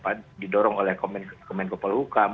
baik didorong oleh kementerian kepala hukum